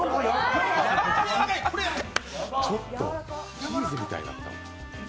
ちょっとチーズみたいやった。